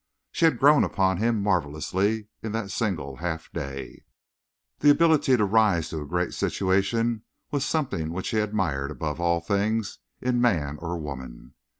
She had grown upon him marvelously in that single half day. The ability to rise to a great situation was something which he admired above all things in man or woman.